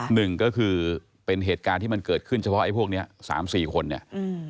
หนึ่งก็คือเป็นเหตุการณ์ที่มันเกิดขึ้นเฉพาะไอ้พวกเนี้ยสามสี่คนเนี่ยอืม